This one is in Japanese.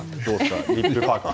リップパック。